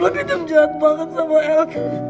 botol kecap jahat banget sama el